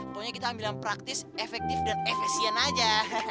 pokoknya kita ambil yang praktis efektif dan efisien aja